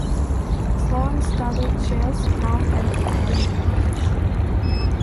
Sloan studied chess from an early age.